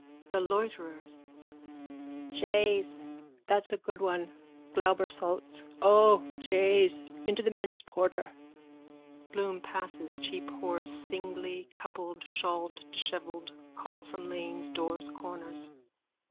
THE LOITERERS: Jays, that's a good one. Glauber salts. O jays, into the men's porter. _(Bloom passes. Cheap whores, singly, coupled, shawled, dishevelled, call from lanes, doors, corners.)